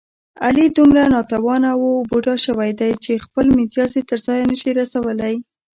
علي دومره ناتوانه و بوډا شوی دی، چې خپل متیازې تر ځایه نشي رسولی.